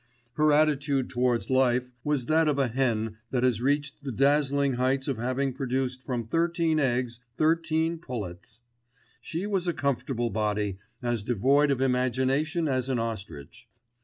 Her attitude towards life was that of a hen that has reached the dazzling heights of having produced from thirteen eggs thirteen pullets. She was a comfortable body, as devoid of imagination as an ostrich.